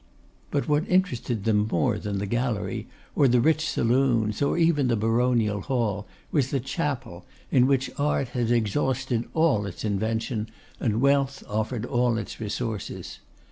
But what interested them more than the gallery, or the rich saloons, or even the baronial hall, was the chapel, in which art had exhausted all its invention, and wealth offered all its resources.